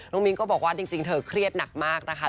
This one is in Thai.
มิ้นก็บอกว่าจริงเธอเครียดหนักมากนะคะ